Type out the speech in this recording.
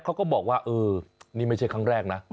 เขาก็บอกว่าเออนี่ไม่ใช่ครั้งแรกนะ